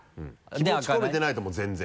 気持ち込めてないともう全然。